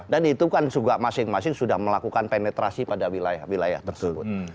dan itu kan juga masing masing sudah melakukan penetrasi pada wilayah wilayah tersebut